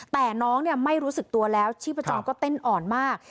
แต่น้องเนี่ยไม่รู้สึกตัวแล้วชีพประจ๋องก็เต้นอ่อนมาก